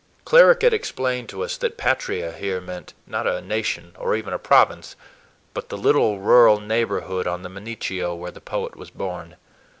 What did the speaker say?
Cleric had explained to us that "patria" here meant, not a nation or even a province, but the little rural neighborhood on the Mincio where the poet was born.